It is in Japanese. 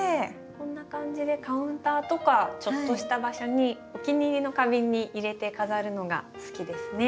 こんな感じでカウンターとかちょっとした場所にお気に入りの花瓶に入れて飾るのが好きですね。